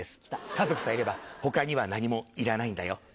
家族さえいれば他には何もいらないんだよ。